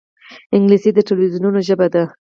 انګلیسي د تلویزونونو ژبه ده